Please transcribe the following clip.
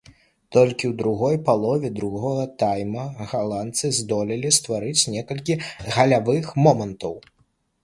Толькі ў другой палове другога тайма галандцы здолелі стварыць некалькі галявых момантаў.